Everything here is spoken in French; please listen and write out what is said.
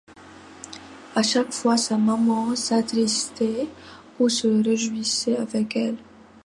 À chaque fois, sa maman s'attristait ou se réjouissait avec elle.